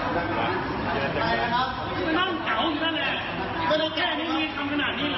โปรดติดตามตอนต่อไป